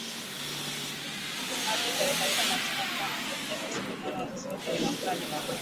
Magreth alikataa na kusema kuwa angempeleka asubuhi maana wazazi wake ni wakali mno